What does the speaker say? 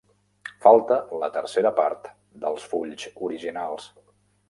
Falta la tercera part dels fulls originals.